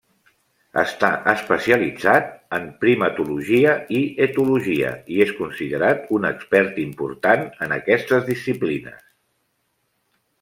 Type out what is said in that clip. Està especialitzat en primatologia i etologia, i és considerat un expert important en aquestes disciplines.